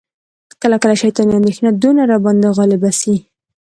کله کله شیطاني اندیښنه دونه را باندي غالبه سي،